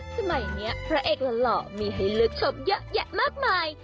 สมัยนี้พระเอกหล่อมีให้เลือกชมเยอะแยะมากมาย